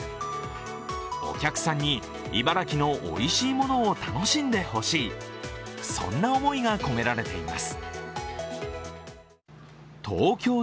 お客さんに茨城のおいしいものを楽しんでほしい、そんな思いが込められています。